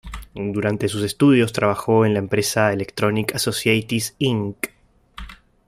Durante sus estudios, trabajó en la Empresa Electronics Associates Inc.